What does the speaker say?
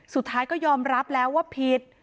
สุดท้ายก็ยอมรับแล้วว่าผิด